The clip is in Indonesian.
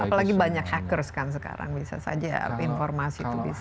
apalagi banyak hackers kan sekarang bisa saja informasi itu bisa